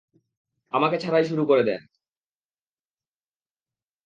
আমাকে ছাড়াই শুরু করে দেন।